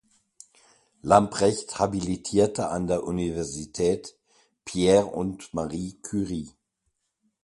Lambrecht habilitierte an der Universität Pierre und Marie Curie.